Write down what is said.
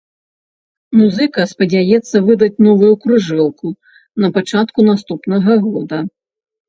Музыка спадзяецца выдаць новую кружэлку на пачатку наступнага года.